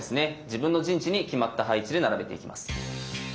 自分の陣地に決まった配置で並べていきます。